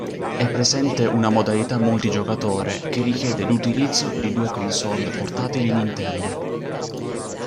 È presente una modalità multigiocatore che richiede l'utilizzo di due console portatili Nintendo.